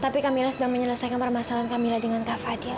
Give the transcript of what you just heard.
tapi kamilah sudah menyelesaikan permasalahan kamilah dengan kak fadil